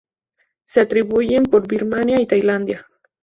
Se distribuyen por Birmania y Tailandia.